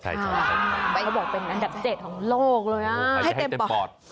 เขาบอกเป็นอันดับ๗ของโลกเลยนะ